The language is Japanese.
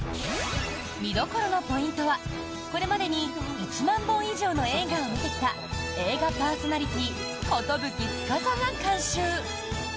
見どころのポイントはこれまでに１万本以上の映画を見てきた映画パーソナリティーコトブキツカサが監修！